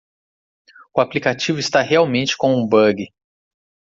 O aplicativo está realmente com um bug.